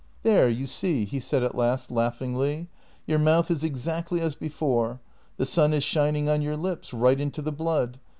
" There, you see," he said at last laughingly, " your mouth is exactly as before; the sun is shining on your lips, right into the blood.